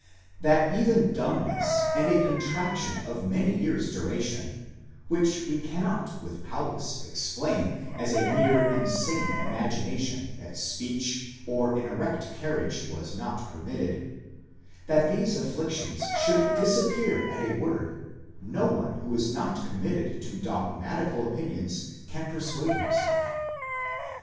That even dumbness and a contraction of many years' duration, which we cannot with Paulus explain as a mere insane imagination that speech: or an erect carriage was not permitted,#'—that these afflictions should dis appear at a word, no one who is not committed to dogmatical opinions cam persuade himself.